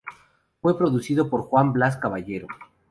Fue producido por Juan Blas Caballero.